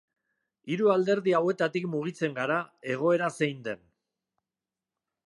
Hiru alderdi hauetatik mugitzen gara egoera zein den.